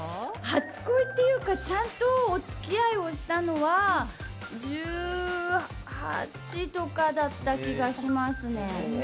初恋っていうかちゃんとお付き合いをしたのは１８とかだった気がしますね。